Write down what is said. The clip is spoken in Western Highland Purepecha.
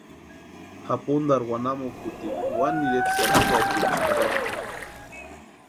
Japuntarhu wanamukutini wani ireta sapirhatiecha jarhasti.